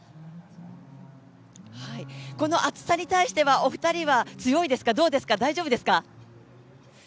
この暑さに対してはお二人は強いですかどうですか、大丈夫ですか。